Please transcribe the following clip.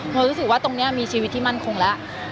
รู้สึกว่าตรงนี้มีชีวิตที่มั่นคงแล้ว